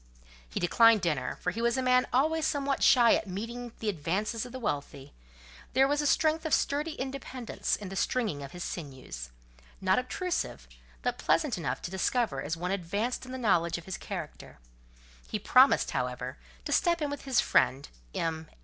He declined dinner, for he was a man always somewhat shy at meeting the advances of the wealthy: there was a strength of sturdy independence in the stringing of his sinews—not obtrusive, but pleasant enough to discover as one advanced in knowledge of his character; he promised, however, to step in with his friend, M.